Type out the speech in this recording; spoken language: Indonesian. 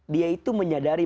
dia itu menyayangi allah wtedy